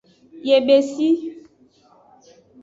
Yebesi.